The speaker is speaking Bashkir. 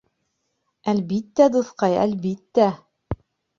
Әлбиттә, дуҫҡай, әлбиттә.